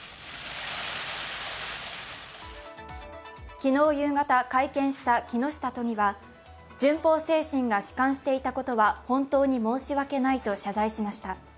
昨日夕方、会見した木下都議は順法精神が弛緩していたことは本当に申し訳ないと謝罪しました。